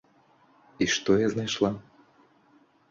І што я знайшла?